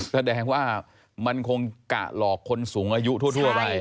แสดงว่ามันคงกะหลอกคนสูงอายุทั่วไป